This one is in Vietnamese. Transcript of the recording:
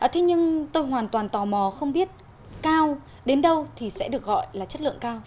thế nhưng tôi hoàn toàn tò mò không biết cao đến đâu thì sẽ được gọi là chất lượng cao